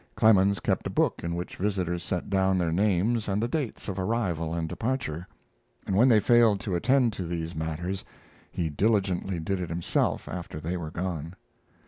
Clemens kept a book in which visitors set down their names and the dates of arrival and departure, and when they failed to attend to these matters he diligently did it himself after they were gone.